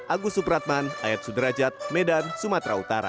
agus supratman ayat sudrajat medan sumatera utara